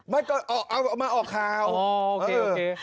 ไม่เอามาออกข่าวอ๋อโอเค